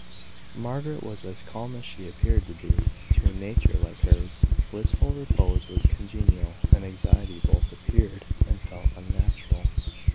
Margaret was as calm as she appeared to be. To a nature like hers, blissful repose was congenial, and anxiety both appeared and felt unnatural.